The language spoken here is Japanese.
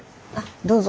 どうぞ。